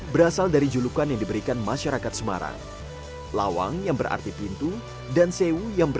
berasal dari julukan yang diberikan masyarakat semarang lawang yang berarti pintu dan sewu yang